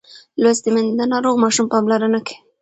لوستې میندې د ناروغ ماشوم پاملرنه کوي.